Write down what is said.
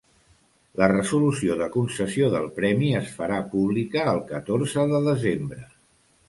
La Resolució de concessió del premi es farà pública el catorze de desembre.